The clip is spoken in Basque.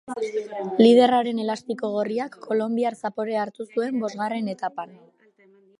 Liderraren elastiko gorriak kolonbiar zaporea hartu zuen bosgarren etapan.